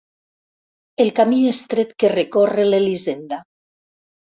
El camí estret que recorre l'Elisenda.